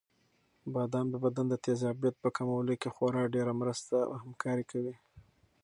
بادام د بدن د تېزابیت په کمولو کې خورا ډېره مرسته او همکاري کوي.